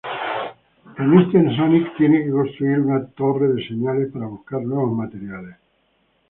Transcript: En eso Sonic tiene que construir una torre de señales para buscar nuevos materiales.